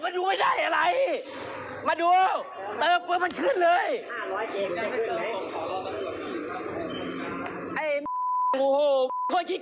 เดี๋ยวเติมใหม่เลยไม่เอาแล้ว